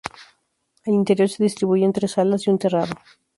El interior se distribuye en tres salas y un terrado.